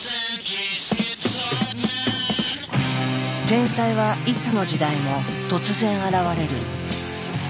天才はいつの時代も突然現れる。